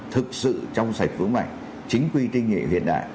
thực sự trong sạch phướng mạnh chính quy tinh nghệ hiện đại